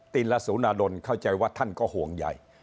ติลสุนาดลเข้าใจว่าท่านก็ห่วงใหญ่